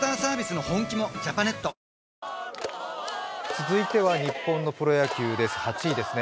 続いては日本のプロ野球です、８位ですね。